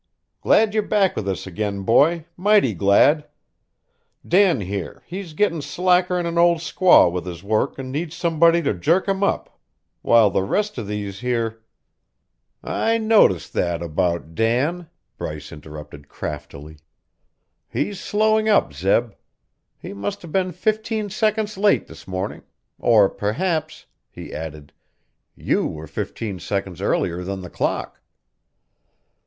Glad you're back with us again, boy mighty glad. Dan, here, he's gittin' slacker'n an old squaw with his work an' needs somebody to jerk him up, while the rest o' these here " "I noticed that about Dan," Bryce interrupted craftily. "He's slowing up, Zeb. He must have been fifteen seconds late this morning or perhaps," he added "you were fifteen seconds earlier than the clock."